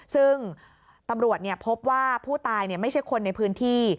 ซึ่งตำรวจพบว่าผู้ตายไม่ใช่คนในพื้นที่